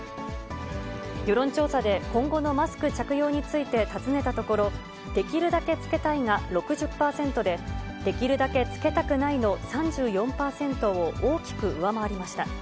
世論調査で今後のマスク着用について尋ねたところ、できるだけ着けたいが６０％で、できるだけ着けたくないの３４％を大きく上回りました。